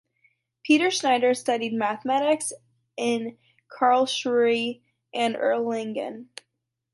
Peter Schneider studied mathematics in Karlsruhe and Erlangen.